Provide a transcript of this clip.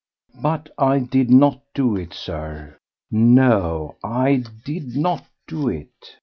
But I did not do it, Sir. No, I did not do it.